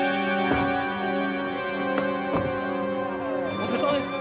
お疲れさまです！